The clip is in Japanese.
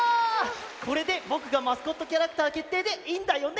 これでぼくがマスコットキャラクターけっていでいいんだよね？